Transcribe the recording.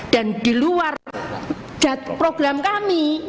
dan di luar program kami